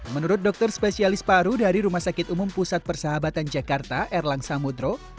menurut dokter spesialis paru dari rumah sakit umum pusat persahabatan jakarta erlang samudro